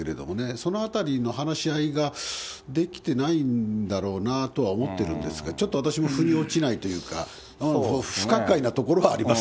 そのあたりの話し合いが、できてないんだろうなと思ってるんですが、ちょっと私もふに落ちないというか、不可解なところはあります。